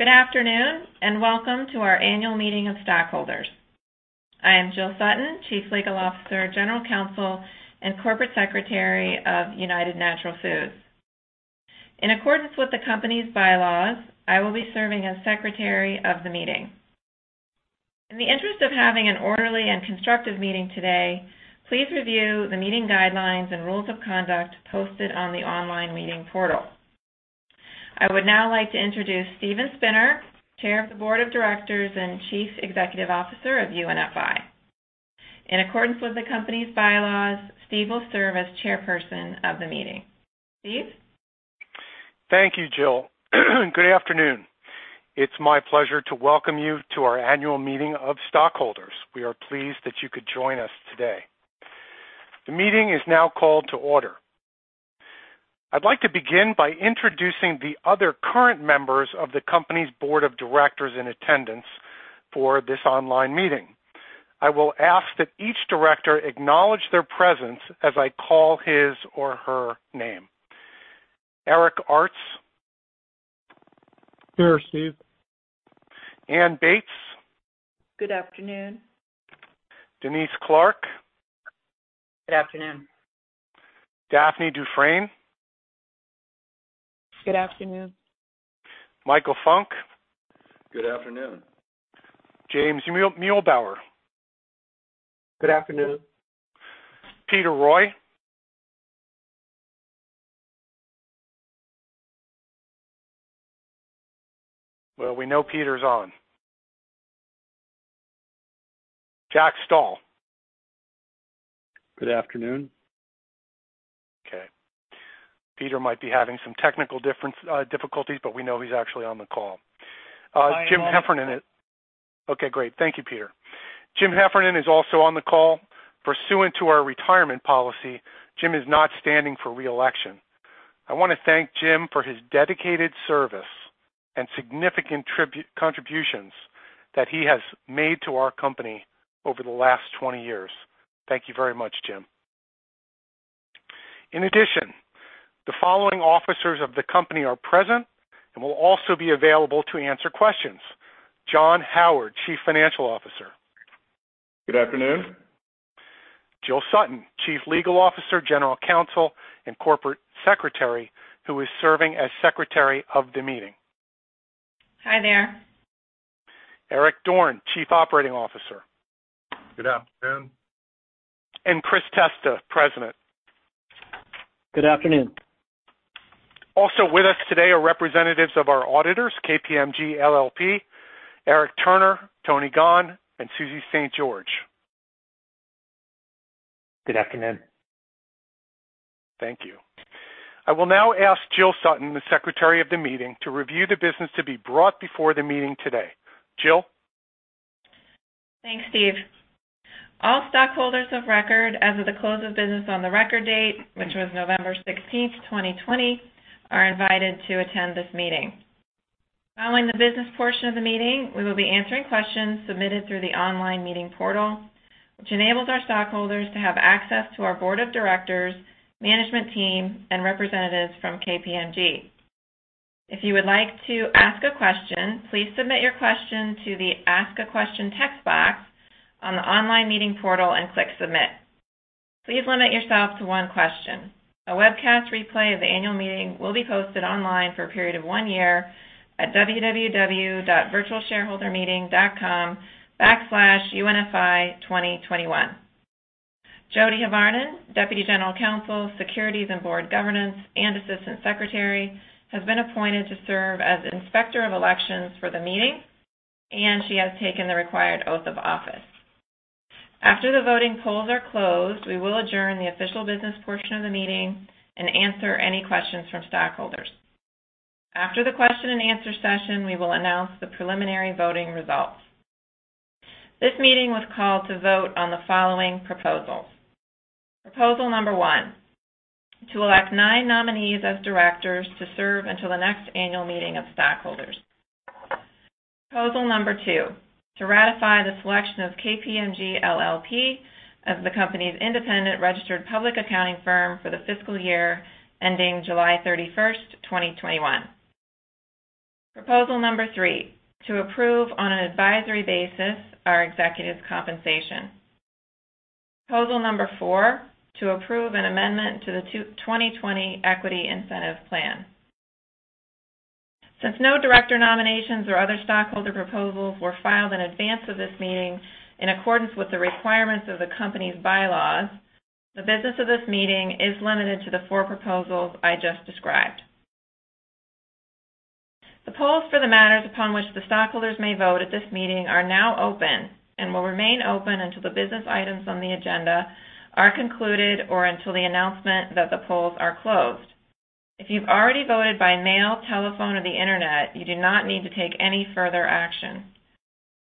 Good afternoon, welcome to our annual meeting of stockholders. I am Jill Sutton, Chief Legal Officer, General Counsel, and Corporate Secretary of United Natural Foods. In accordance with the company's bylaws, I will be serving as Secretary of the meeting. In the interest of having an orderly and constructive meeting today, please review the meeting guidelines and rules of conduct posted on the online meeting portal. I would now like to introduce Steven Spinner, Chair of the Board of Directors and Chief Executive Officer of UNFI. In accordance with the company's bylaws, Steve will serve as Chairperson of the meeting. Steve? Thank you, Jill. Good afternoon. It's my pleasure to welcome you to our annual meeting of stockholders. We are pleased that you could join us today. The meeting is now called to order. I'd like to begin by introducing the other current members of the company's board of directors in attendance for this online meeting. I will ask that each director acknowledge their presence as I call his or her name. Eric Artz? Here, Steve. Ann Bates? Good afternoon. Denise Clarke? Good afternoon. Daphne Dufresne? Good afternoon. Michael Funk? Good afternoon. James Muehlbauer? Good afternoon. Peter Roy? Well, we know Peter's on. Jack Stahl? Good afternoon. Okay. Peter might be having some technical difficulties, but we know he's actually on the call. I am on. Jim Heffernan. Okay, great. Thank you, Peter. Jim Heffernan is also on the call. Pursuant to our retirement policy, Jim is not standing for re-election. I want to thank Jim for his dedicated service and significant contributions that he has made to our company over the last 20 years. Thank you very much, Jim. In addition, the following Officers of the company are present and will also be available to answer questions. John Howard, Chief Financial Officer. Good afternoon. Jill Sutton, Chief Legal Officer, General Counsel, and Corporate Secretary, who is serving as secretary of the meeting. Hi there. Eric Dorne, Chief Operating Officer. Good afternoon. Chris Testa, President. Good afternoon. Also with us today are representatives of our auditors, KPMG LLP, Eric Turner, Tony Gahn, and Suzy St. George. Good afternoon. Thank you. I will now ask Jill Sutton, the Secretary of the meeting, to review the business to be brought before the meeting today. Jill? Thanks, Steve. All stockholders of record as of the close of business on the record date, which was November 16th, 2020, are invited to attend this meeting. Following the business portion of the meeting, we will be answering questions submitted through the online meeting portal, which enables our stockholders to have access to our board of directors, management team, and representatives from KPMG. If you would like to ask a question, please submit your question to the Ask a Question text box on the online meeting portal and click Submit. Please limit yourself to one question. A webcast replay of the annual meeting will be posted online for a period of one year at www.virtualshareholdermeeting.com/unfi2021. Jody Hyvarinen, Deputy General Counsel, Securities and Board Governance, and Assistant Secretary, has been appointed to serve as Inspector of Elections for the meeting, and she has taken the required oath of office. After the voting polls are closed, we will adjourn the official business portion of the meeting and answer any questions from stockholders. After the question and answer session, we will announce the preliminary voting results. This meeting was called to vote on the following proposals. Proposal number one, to elect nine nominees as directors to serve until the next annual meeting of stockholders. Proposal number two, to ratify the selection of KPMG LLP as the company's independent registered public accounting firm for the fiscal year ending July 31st, 2021. Proposal number three, to approve on an advisory basis our executive compensation. Proposal number four, to approve an amendment to the 2020 Equity Incentive Plan. Since no director nominations or other stockholder proposals were filed in advance of this meeting, in accordance with the requirements of the company's bylaws, the business of this meeting is limited to the four proposals I just described. The polls for the matters upon which the stockholders may vote at this meeting are now open and will remain open until the business items on the agenda are concluded or until the announcement that the polls are closed. If you've already voted by mail, telephone, or the internet, you do not need to take any further action.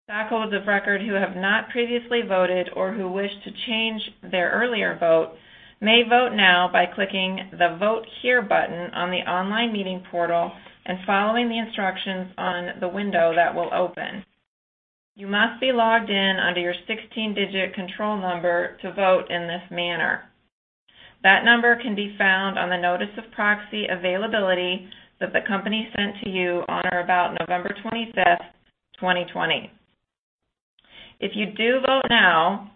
Stockholders of record who have not previously voted or who wish to change their earlier vote may vote now by clicking the Vote Here button on the online meeting portal and following the instructions on the window that will open. You must be logged in under your 16-digit control number to vote in this manner. That number can be found on the notice of proxy availability that the company sent to you on or about November 25th, 2020. If you do vote now,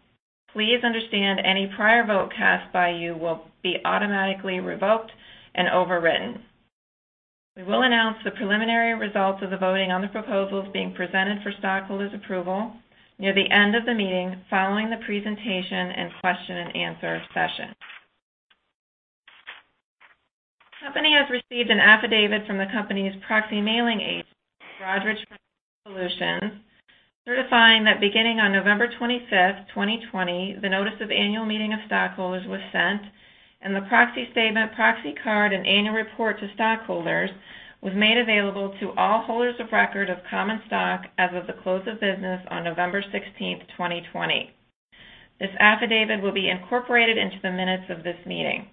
please understand any prior vote cast by you will be automatically revoked and overwritten. We will announce the preliminary results of the voting on the proposals being presented for stockholders' approval near the end of the meeting, following the presentation and question and answer session. The company has received an affidavit from the company's proxy mailing agent, Broadridge Financial Solutions, certifying that beginning on November 25th, 2020, the notice of annual meeting of stockholders was sent, and the proxy statement, proxy card, and annual report to stockholders was made available to all holders of record of common stock as of the close of business on November 16th, 2020. This affidavit will be incorporated into the minutes of this meeting.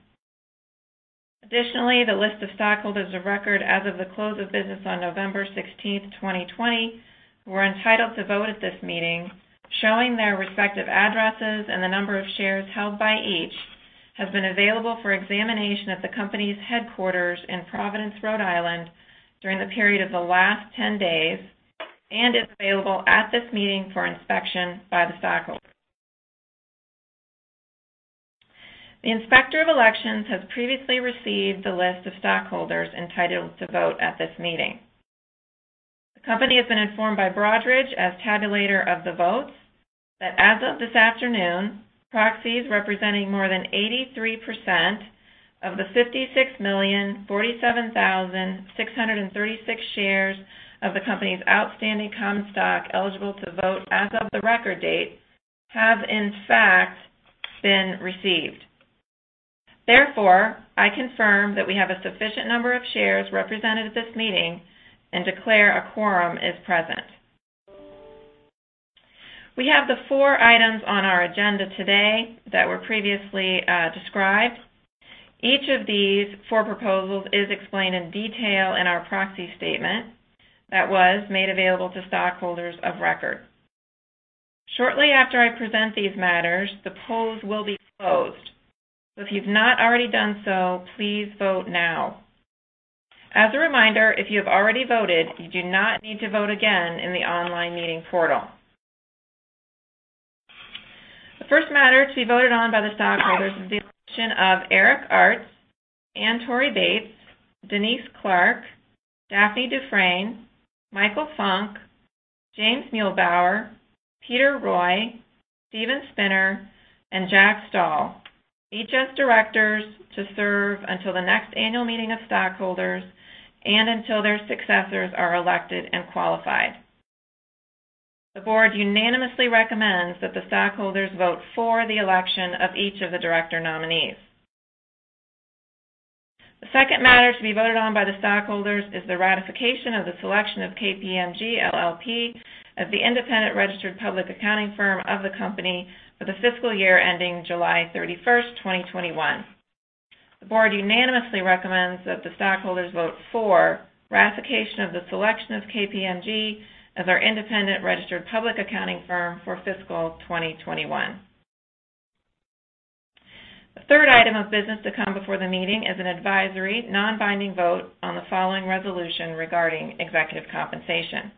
Additionally, the list of stockholders of record as of the close of business on November 16th, 2020, who are entitled to vote at this meeting, showing their respective addresses and the number of shares held by each, has been available for examination at the company's headquarters in Providence, Rhode Island, during the period of the last 10 days and is available at this meeting for inspection by the stockholders. The Inspector of Elections has previously received the list of stockholders entitled to vote at this meeting. The company has been informed by Broadridge, as tabulator of the votes, that as of this afternoon, proxies representing more than 83% of the 56,047,636 shares of the company's outstanding common stock eligible to vote as of the record date have in fact been received. Therefore, I confirm that we have a sufficient number of shares represented at this meeting and declare a quorum is present. We have the four items on our agenda today that were previously described. Each of these four proposals is explained in detail in our proxy statement that was made available to stockholders of record. Shortly after I present these matters, the polls will be closed. If you've not already done so, please vote now. As a reminder, if you have already voted, you do not need to vote again in the online meeting portal. The first matter to be voted on by the stockholders is the election of Eric Artz, Ann Torre Bates, Denise Clark, Daphne Dufresne, Michael Funk, James Muehlbauer, Peter Roy, Steven Spinner, and Jack Stahl, each as directors to serve until the next annual meeting of stockholders and until their successors are elected and qualified. The board unanimously recommends that the stockholders vote for the election of each of the director nominees. The second matter to be voted on by the stockholders is the ratification of the selection of KPMG LLP as the independent registered public accounting firm of the company for the fiscal year ending July 31st, 2021. The board unanimously recommends that the stockholders vote for ratification of the selection of KPMG as our independent registered public accounting firm for fiscal 2021. The third item of business to come before the meeting is an advisory, non-binding vote on the following resolution regarding executive compensation.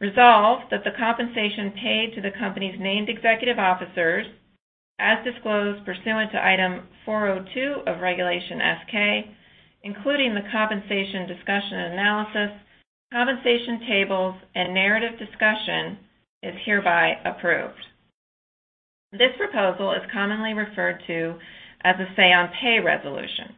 Resolved, that the compensation paid to the company's named executive officers, as disclosed pursuant to Item 402 of Regulation S-K, including the compensation discussion and analysis, compensation tables, and narrative discussion, is hereby approved. This proposal is commonly referred to as a say on pay resolution.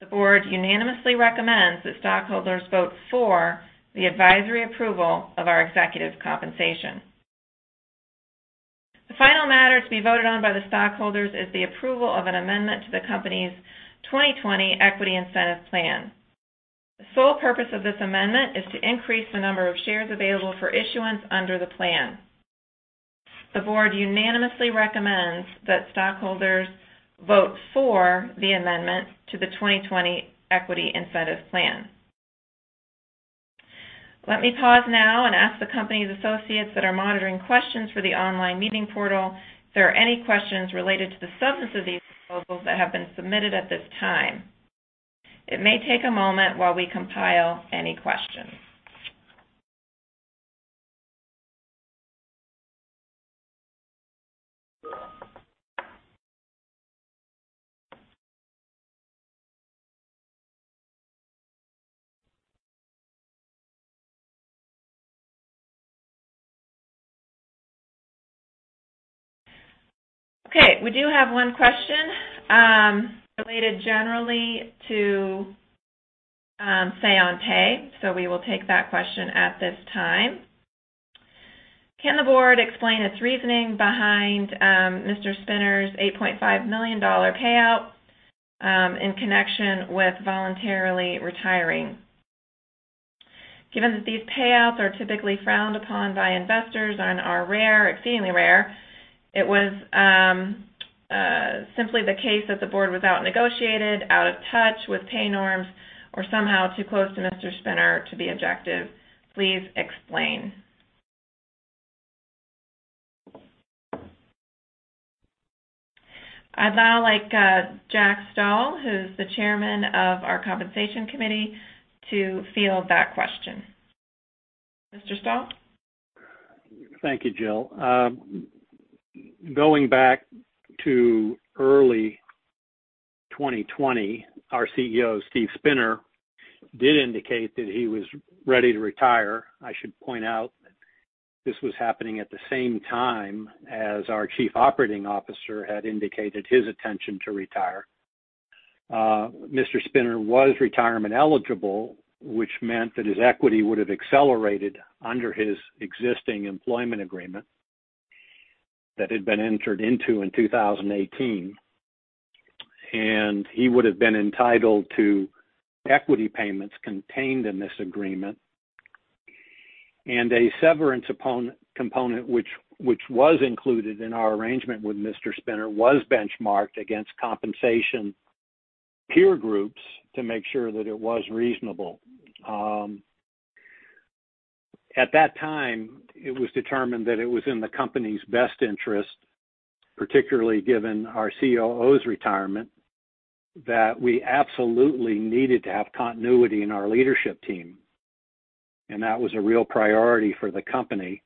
The board unanimously recommends that stockholders vote for the advisory approval of our executives' compensation. The final matter to be voted on by the stockholders is the approval of an amendment to the company's 2020 Equity Incentive Plan. The sole purpose of this amendment is to increase the number of shares available for issuance under the plan. The board unanimously recommends that stockholders vote for the amendment to the 2020 Equity Incentive Plan. Let me pause now and ask the company's associates that are monitoring questions for the online meeting portal if there are any questions related to the substance of these proposals that have been submitted at this time. It may take a moment while we compile any questions. Okay, we do have one question related generally to say on pay, we will take that question at this time. Can the board explain its reasoning behind Mr. Spinner's $8.5 million payout in connection with voluntarily retiring? Given that these payouts are typically frowned upon by investors and are exceedingly rare, it was simply the case that the board was out-negotiated, out of touch with pay norms, or somehow too close to Mr. Spinner to be objective. Please explain. I'd now like Jack Stahl, who's the Chairman of our compensation committee, to field that question. Mr. Stahl? Thank you, Jill. Going back to early 2020, our CEO, Steven Spinner, did indicate that he was ready to retire. I should point out that this was happening at the same time as our Chief Operating Officer had indicated his intention to retire. Mr. Spinner was retirement eligible, which meant that his equity would have accelerated under his existing employment agreement that had been entered into in 2018, and he would have been entitled to equity payments contained in this agreement. A severance component, which was included in our arrangement with Mr. Spinner, was benchmarked against compensation peer groups to make sure that it was reasonable. At that time, it was determined that it was in the company's best interest, particularly given our COO's retirement, that we absolutely needed to have continuity in our leadership team, and that was a real priority for the company.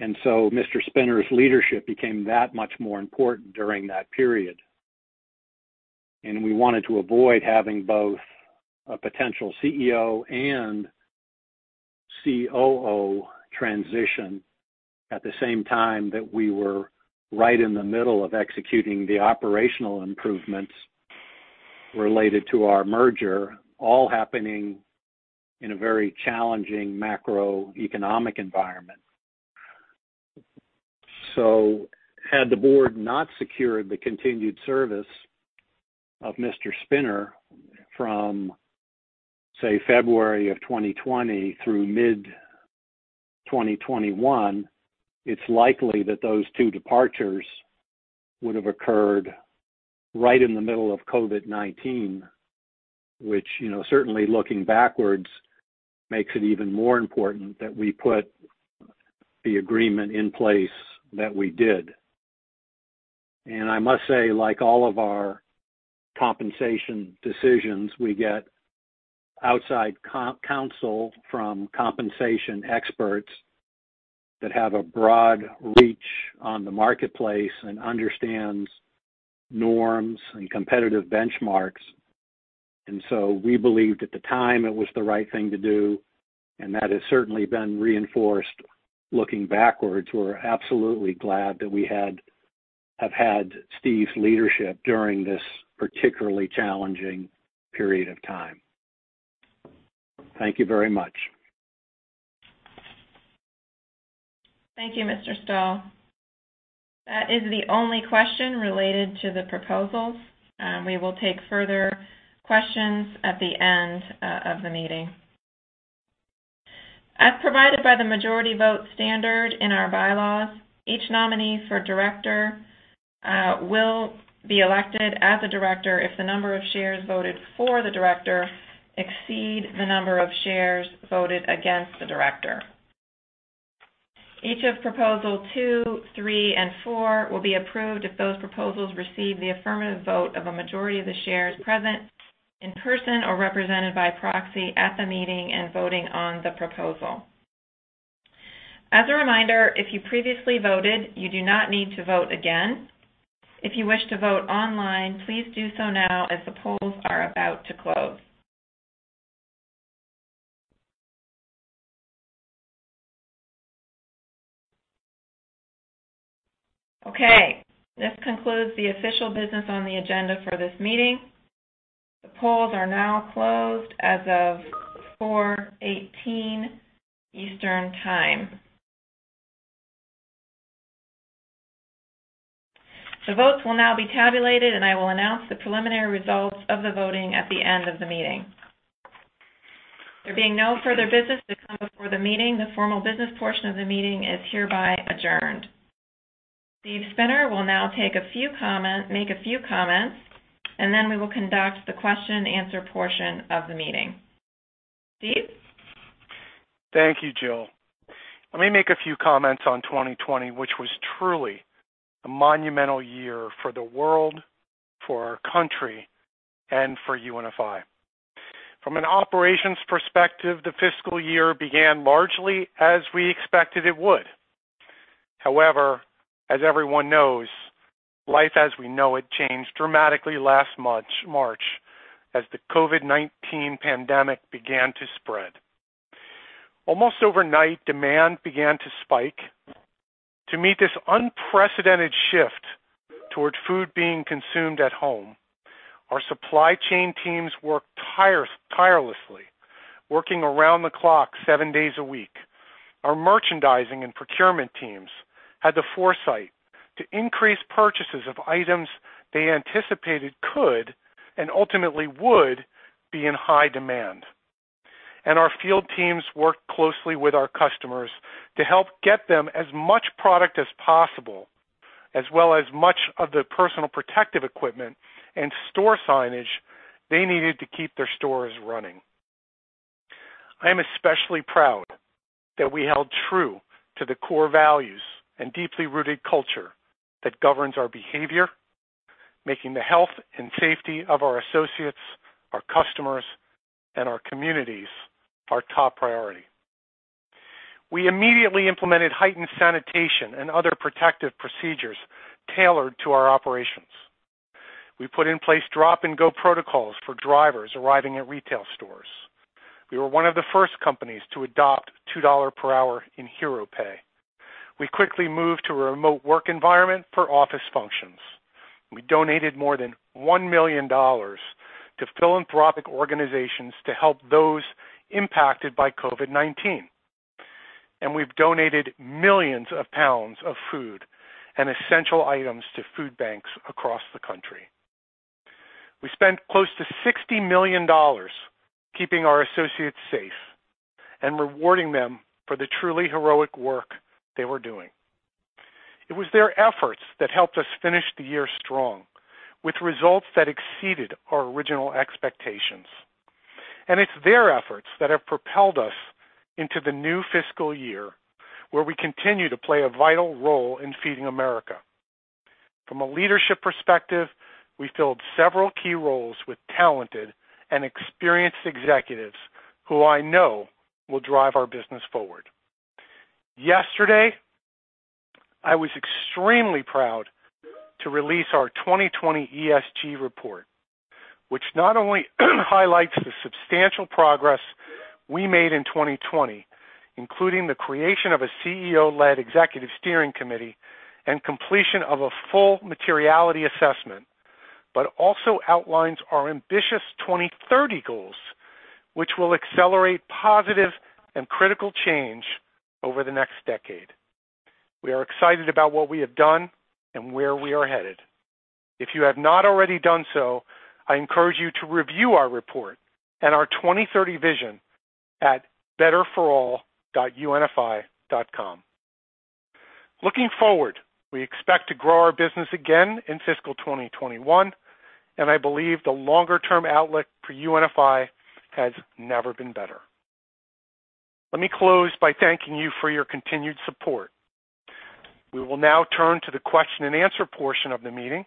Mr. Spinner's leadership became that much more important during that period, and we wanted to avoid having both a potential CEO and COO transition at the same time that we were right in the middle of executing the operational improvements related to our merger, all happening in a very challenging macroeconomic environment. Had the Board not secured the continued service of Mr. Spinner from, say, February of 2020 through mid-2021, it's likely that those two departures would have occurred right in the middle of COVID-19. Certainly looking backwards, makes it even more important that we put the agreement in place that we did. I must say, like all of our compensation decisions, we get outside counsel from compensation experts that have a broad reach on the marketplace and understands norms and competitive benchmarks. We believed at the time it was the right thing to do, and that has certainly been reinforced looking backwards. We're absolutely glad that we have had Steve's leadership during this particularly challenging period of time. Thank you very much. Thank you, Mr. Stahl. That is the only question related to the proposals. We will take further questions at the end of the meeting. As provided by the majority vote standard in our bylaws, each nominee for director will be elected as a director if the number of shares voted for the director exceed the number of shares voted against the director. Each of proposal two, three, and four will be approved if those proposals receive the affirmative vote of a majority of the shares present in person or represented by proxy at the meeting and voting on the proposal. As a reminder, if you previously voted, you do not need to vote again. If you wish to vote online, please do so now as the polls are about to close. Okay. This concludes the official business on the agenda for this meeting. The polls are now closed as of 4:18 Eastern Time. The votes will now be tabulated, and I will announce the preliminary results of the voting at the end of the meeting. There being no further business to come before the meeting, the formal business portion of the meeting is hereby adjourned. Steven Spinner will now make a few comments, and then we will conduct the question and answer portion of the meeting. Steve? Thank you, Jill. Let me make a few comments on 2020, which was truly a monumental year for the world, for our country, and for UNFI. From an operations perspective, the fiscal year began largely as we expected it would. However, as everyone knows, life as we know it changed dramatically last March as the COVID-19 pandemic began to spread. Almost overnight, demand began to spike. To meet this unprecedented shift towards food being consumed at home, our supply chain teams worked tirelessly, working around the clock seven days a week. Our merchandising and procurement teams had the foresight to increase purchases of items they anticipated could and ultimately would be in high demand. Our field teams worked closely with our customers to help get them as much product as possible, as well as much of the personal protective equipment and store signage they needed to keep their stores running. I am especially proud that we held true to the core values and deeply rooted culture that governs our behavior, making the health and safety of our associates, our customers, and our communities our top priority. We immediately implemented heightened sanitation and other protective procedures tailored to our operations. We put in place drop-and-go protocols for drivers arriving at retail stores. We were one of the first companies to adopt $2 per hour in Hero Pay. We quickly moved to a remote work environment for office functions. We donated more than $1 million to philanthropic organizations to help those impacted by COVID-19, and we've donated millions of pounds of food and essential items to food banks across the country. We spent close to $60 million keeping our associates safe and rewarding them for the truly heroic work they were doing. It was their efforts that helped us finish the year strong, with results that exceeded our original expectations. It's their efforts that have propelled us into the new fiscal year, where we continue to play a vital role in feeding America. From a leadership perspective, we filled several key roles with talented and experienced executives who I know will drive our business forward. Yesterday, I was extremely proud to release our 2020 ESG Report, which not only highlights the substantial progress we made in 2020, including the creation of a CEO-led executive steering committee and completion of a full materiality assessment, but also outlines our ambitious 2030 goals, which will accelerate positive and critical change over the next decade. We are excited about what we have done and where we are headed. If you have not already done so, I encourage you to review our report and our 2030 vision at betterforall.unfi.com. Looking forward, we expect to grow our business again in fiscal 2021, and I believe the longer-term outlook for UNFI has never been better. Let me close by thanking you for your continued support. We will now turn to the question and answer portion of the meeting.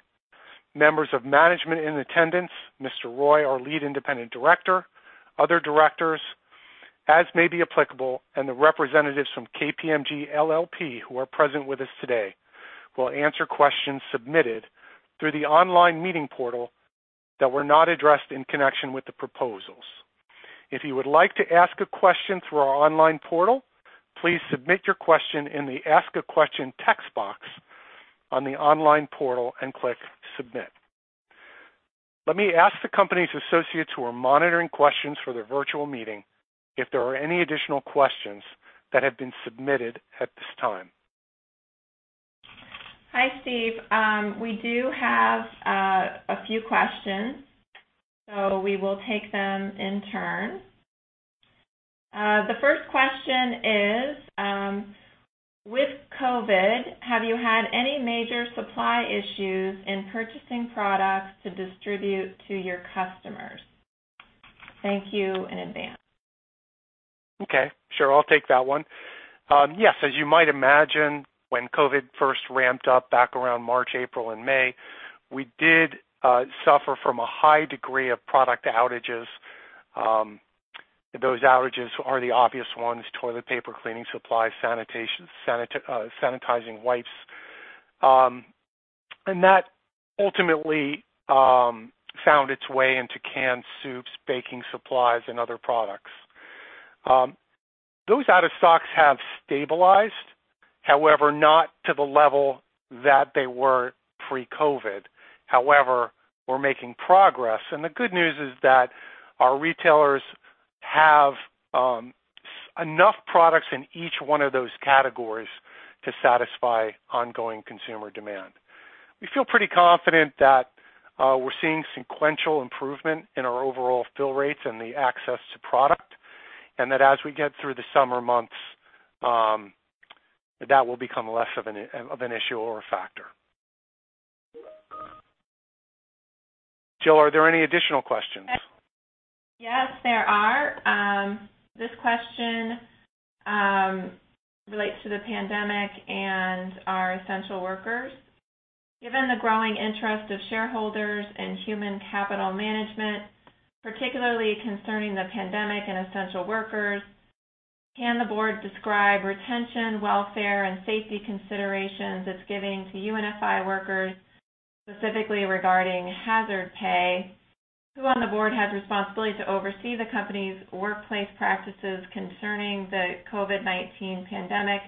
Members of management in attendance, Mr. Roy, our Lead Independent Director, other directors as may be applicable, and the representatives from KPMG LLP who are present with us today will answer questions submitted through the online meeting portal that were not addressed in connection with the proposals. If you would like to ask a question through our online portal, please submit your question in the Ask a Question text box on the online portal and click Submit. Let me ask the company's associates who are monitoring questions for the virtual meeting, if there are any additional questions that have been submitted at this time. Hi, Steve. We do have a few questions. We will take them in turn. The first question is, with COVID, have you had any major supply issues in purchasing products to distribute to your customers? Thank you in advance. Okay. Sure. I'll take that one. Yes, as you might imagine, when COVID first ramped up back around March, April, and May, we did suffer from a high degree of product outages. Those outages are the obvious ones, toilet paper, cleaning supplies, sanitizing wipes. That ultimately found its way into canned soups, baking supplies, and other products. Those out of stocks have stabilized. However, not to the level that they were pre-COVID. However, we're making progress, and the good news is that our retailers have enough products in each one of those categories to satisfy ongoing consumer demand. We feel pretty confident that we're seeing sequential improvement in our overall fill rates and the access to product, and that as we get through the summer months, that will become less of an issue or a factor. Jill, are there any additional questions? Yes, there are. This question relates to the pandemic and our essential workers. Given the growing interest of shareholders in human capital management, particularly concerning the pandemic and essential workers, can the board describe retention, welfare, and safety considerations it's giving to UNFI workers, specifically regarding hazard pay? Who on the board has responsibility to oversee the company's workplace practices concerning the COVID-19 pandemic?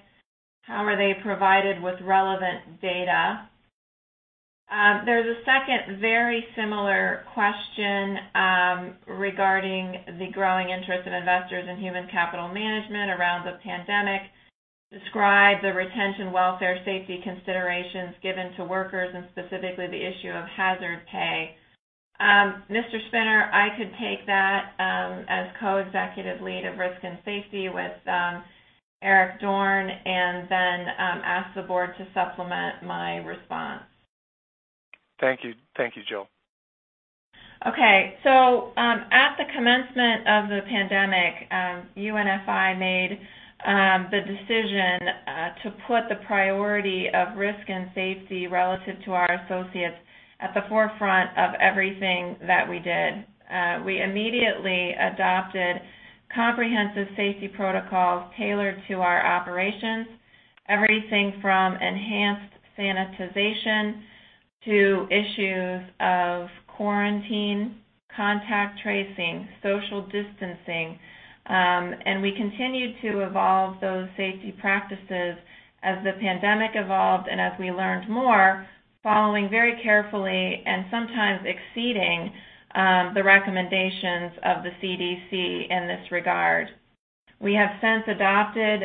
How are they provided with relevant data? There's a second very similar question regarding the growing interest of investors in human capital management around the pandemic. Describe the retention, welfare, safety considerations given to workers, and specifically the issue of hazard pay. Mr. Spinner, I could take that as Co-Executive Lead of Risk and Safety with Eric Dorne, and then ask the board to supplement my response. Thank you, Jill. Okay. At the commencement of the pandemic, UNFI made the decision to put the priority of risk and safety relative to our associates at the forefront of everything that we did. We immediately adopted comprehensive safety protocols tailored to our operations, everything from enhanced sanitization to issues of quarantine, contact tracing, social distancing. We continued to evolve those safety practices as the pandemic evolved and as we learned more, following very carefully and sometimes exceeding, the recommendations of the CDC in this regard. We have since adopted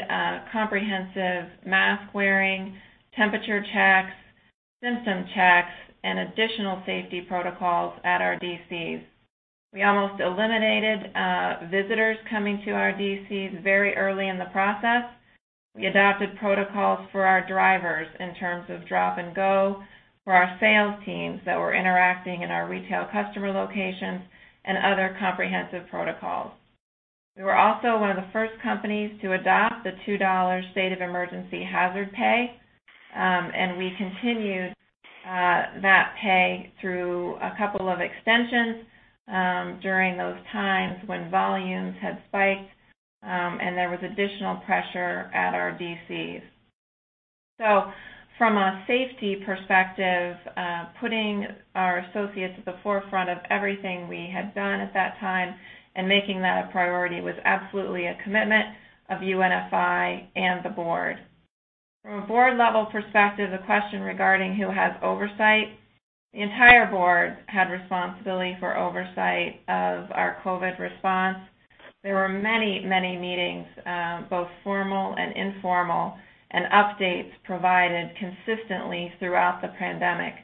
comprehensive mask wearing, temperature checks, symptom checks, and additional safety protocols at our DCs. We almost eliminated visitors coming to our DCs very early in the process. We adopted protocols for our drivers in terms of drop and go for our sales teams that were interacting in our retail customer locations and other comprehensive protocols. We were also one of the first companies to adopt the $2 state of emergency hazard pay. We continued that pay through a couple of extensions during those times when volumes had spiked. There was additional pressure at our DCs. From a safety perspective, putting our associates at the forefront of everything we had done at that time and making that a priority was absolutely a commitment of UNFI and the board. From a board-level perspective, a question regarding who has oversight, the entire board had responsibility for oversight of our COVID response. There were many meetings, both formal and informal. Updates provided consistently throughout the pandemic.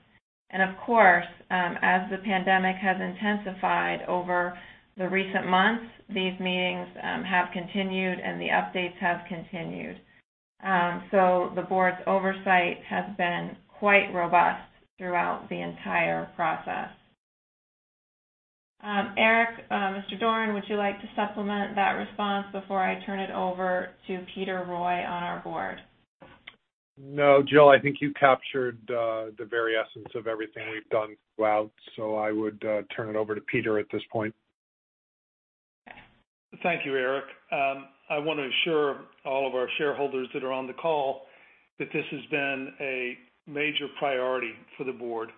Of course, as the pandemic has intensified over the recent months, these meetings have continued. The updates have continued. The board's oversight has been quite robust throughout the entire process. Eric Dorne, would you like to supplement that response before I turn it over to Peter Roy on our board? No, Jill, I think you captured the very essence of everything we've done throughout. I would turn it over to Peter at this point. Thank you, Eric. I want to assure all of our shareholders that are on the call that this has been a major priority for the board.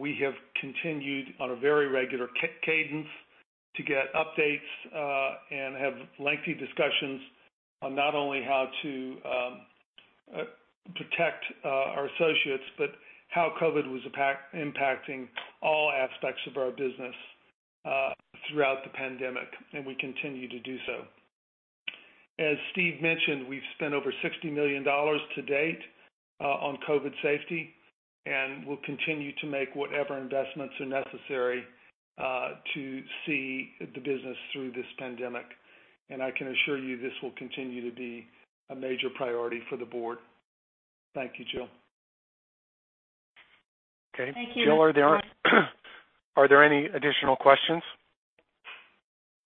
We have continued on a very regular cadence to get updates, and have lengthy discussions on not only how to protect our associates, but how COVID was impacting all aspects of our business throughout the pandemic, and we continue to do so. As Steve mentioned, we've spent over $60 million to date on COVID safety, and we'll continue to make whatever investments are necessary to see the business through this pandemic. I can assure you this will continue to be a major priority for the board. Thank you, Jill. Okay. Thank you. Jill, are there any additional questions?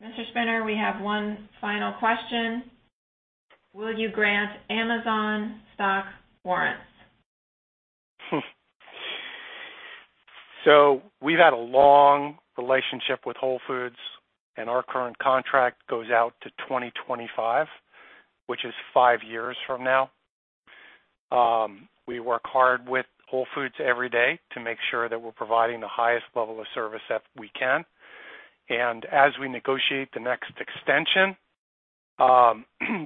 Mr. Spinner, we have one final question. Will you grant Amazon stock warrants? We've had a long relationship with Whole Foods, and our current contract goes out to 2025, which is five years from now. We work hard with Whole Foods every day to make sure that we're providing the highest level of service that we can. As we negotiate the next extension,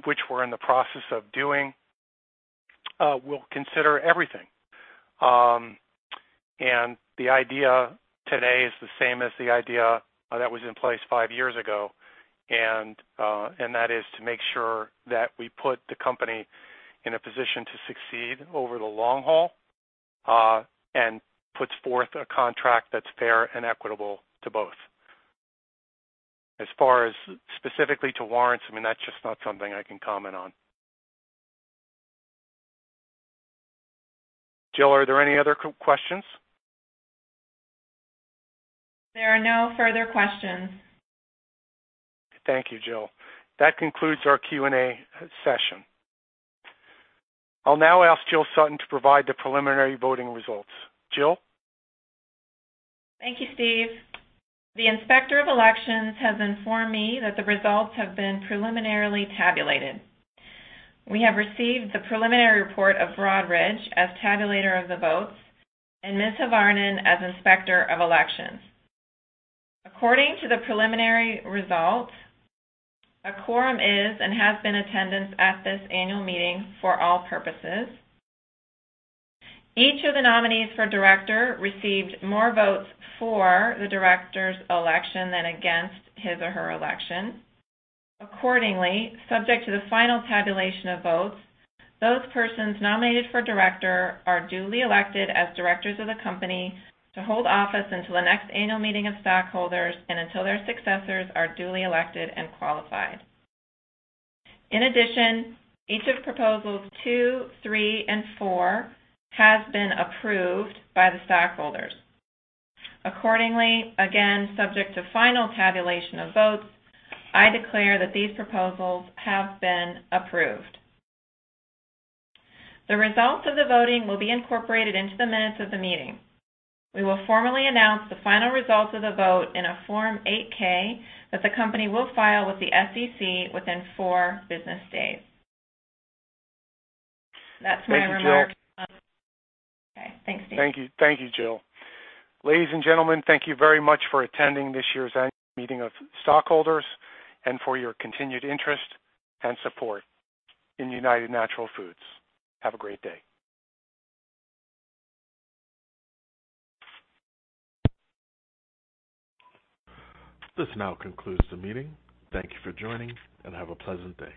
which we're in the process of doing, we'll consider everything. The idea today is the same as the idea that was in place five years ago, and that is to make sure that we put the company in a position to succeed over the long haul, and puts forth a contract that's fair and equitable to both. As far as specifically to warrants, I mean, that's just not something I can comment on. Jill, are there any other questions? There are no further questions. Thank you, Jill. That concludes our Q&A session. I'll now ask Jill Sutton to provide the preliminary voting results. Jill? Thank you, Steve. The Inspector of Elections has informed me that the results have been preliminarily tabulated. We have received the preliminary report of Broadridge as tabulator of the votes and Ms. Hyvarinen as Inspector of Elections. According to the preliminary results, a quorum is and has been attendance at this annual meeting for all purposes. Each of the nominees for director received more votes for the director's election than against his or her election. Accordingly, subject to the final tabulation of votes, those persons nominated for director are duly elected as directors of the company to hold office until the next annual meeting of stockholders and until their successors are duly elected and qualified. In addition, each of proposals two, three, and four has been approved by the stockholders. Accordingly, again, subject to final tabulation of votes, I declare that these proposals have been approved. The results of the voting will be incorporated into the minutes of the meeting. We will formally announce the final results of the vote in a Form 8-K that the company will file with the SEC within four business days. That's my remarks. Thank you, Jill. Okay, thanks, Steve. Thank you, Jill. Ladies and gentlemen, thank you very much for attending this year's Annual Meeting of Stockholders and for your continued interest and support in United Natural Foods. Have a great day. This now concludes the meeting. Thank you for joining, and have a pleasant day.